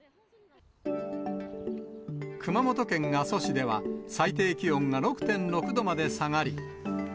熊本県阿蘇市では、最低気温が６．６度まで下がり。